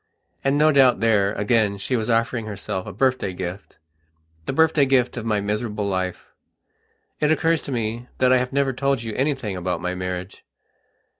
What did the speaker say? And no doubt there, again, she was offering herself a birthday giftthe birthday gift of my miserable life. It occurs to me that I have never told you anything about my marriage.